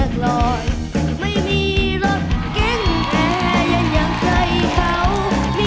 ขอบคุณครับ